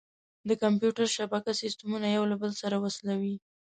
د کمپیوټر شبکه سیسټمونه یو له بل سره وصلوي.